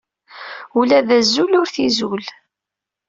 Ula d azul ur t-izul.